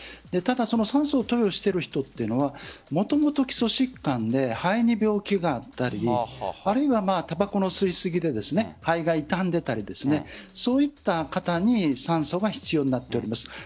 ただ酸素を投与している人というのはもともと基礎疾患で肺に病気があったりあるいは、タバコの吸いすぎで肺が傷んでいたりそういった方に酸素が必要になっています。